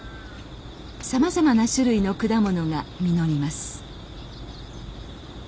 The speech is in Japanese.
さまざまな種類の果物が実ります。